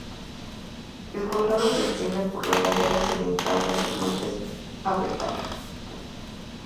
El condado se extiende por la ladera occidental de los montes Aberdare.